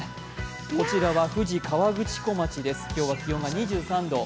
こちらは富士河口湖町です、今日は気温が２３度。